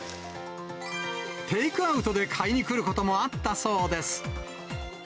テイクアウトで買いに来ることもあったそうです。